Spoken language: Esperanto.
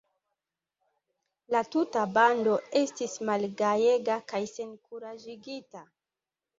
La tuta bando estis malgajega kaj senkuraĝigita.